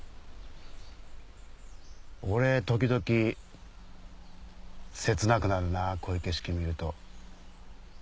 俺時々切なくなるなこういう景色見ると。